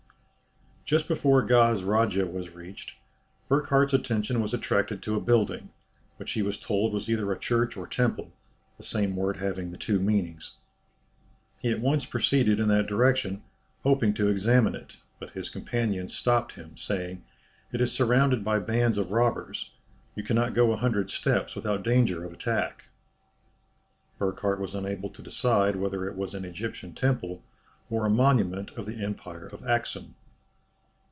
Just before Goz Radjeh was reached, Burckhardt's attention was attracted to a building, which he was told was either a church or temple, the same word having the two meanings. He at once proceeded in that direction, hoping to examine it, but his companions stopped him, saying, "It is surrounded by bands of robbers; you cannot go a hundred steps without danger of attack." Burckhardt was unable to decide whether it was an Egyptian temple, or a monument of the empire of Axum.